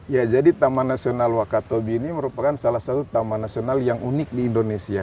ya jadi taman nasional wakatobi ini merupakan salah satu taman nasional yang unik di indonesia